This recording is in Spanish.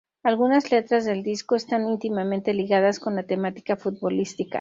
Algunas letras del disco están íntimamente ligadas con la temática futbolística.